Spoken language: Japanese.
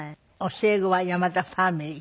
教え子は山田ファミリー？